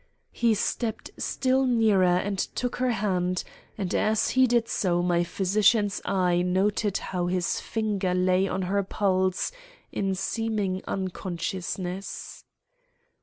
"He stepped still nearer and took her hand, and as he did so my physician's eye noted how his finger lay over her pulse in seeming unconsciousness.